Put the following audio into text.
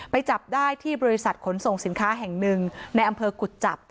จับได้ที่บริษัทขนส่งสินค้าแห่งหนึ่งในอำเภอกุจจับ